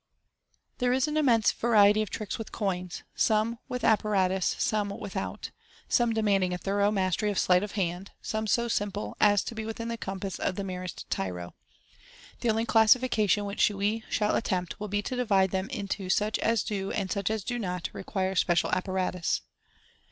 Thbrk is an immense variety of tricks with coin — some with appa ratus, some without j some demanding a thorough mastery of sleight of hand j some so simple as to be within the compass of the merest tyro. The only classification which we shall attempt will be to divide them into such as do and such as do not require special apparatus.